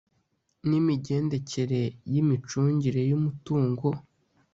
n imigendekere y imicungire y umutungo